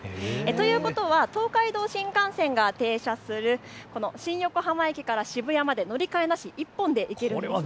ということは東海道新幹線が停車する新横浜駅から渋谷まで乗り換えなしで１本でいけるんです。